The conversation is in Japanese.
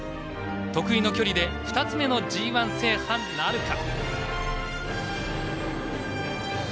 得意の距離で２つ目のＧＩ制覇なるか。